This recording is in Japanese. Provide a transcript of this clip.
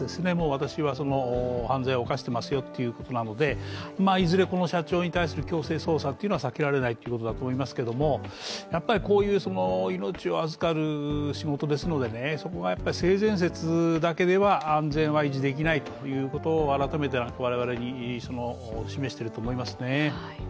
私は犯罪を犯していますよということなのでいずれ、この社長に対する強制捜査は避けられないと思いますが、こういう命を預かる仕事ですのでそこが性善説だけでは安全は維持できないということを改めて我々に示していると思いますね。